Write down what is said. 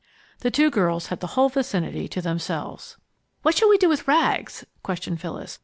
The two girls had the whole vicinity to themselves. "What shall we do with Rags?" questioned Phyllis.